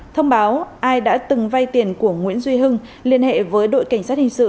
thông báo ai đã từng vay tiền của nguyễn duy hưng liên hệ với đội cảnh sát hình sự